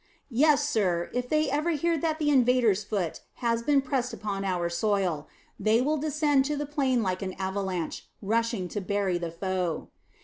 Yes, sir, if ever they hear that the invader's foot has been pressed upon our soil, they will descend to the plain like an avalanche, rushing to bury the foe.